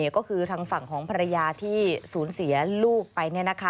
ก็คือทางฝั่งของภรรยาที่สูญเสียลูกไป